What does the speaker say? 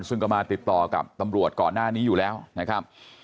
ซึ่งก็มาติดต่อกับตำรวจก่อนหน้านี้อยู่แล้วนะครับ